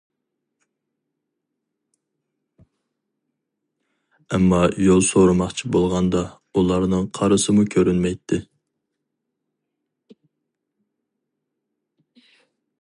ئەمما يول سورىماقچى بولغاندا ئۇلارنىڭ قارىسىمۇ كۆرۈنمەيتتى.